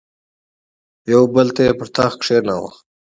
یو بل تن یې پر تخت کښېناوه.